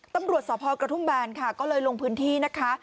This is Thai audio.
ตำรวจสพกระทุ่มแบนค่ะก็เลยลงพื้นที่นะคะ